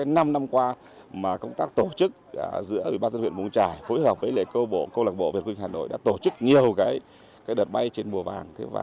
năm năm qua công tác tổ chức giữa huyện mù căng trải phối hợp với lễ cô lạc bộ việt quỳnh hà nội đã tổ chức nhiều đợt bay trên mùa vàng